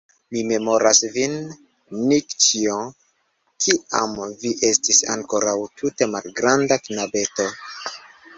Mi memoras vin, Nikĉjo, kiam vi estis ankoraŭ tute malgranda knabeto.